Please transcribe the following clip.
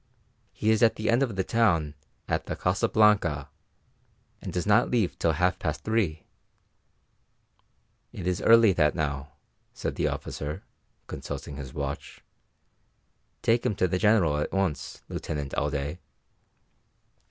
"He is at the end of the town at the Casa Blanca, and does not leave till half past three." "It is nearly that now," said the officer, consulting his watch. "Take him to the General at once, Lieutenant Alday."